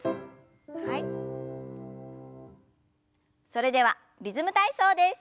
それでは「リズム体操」です。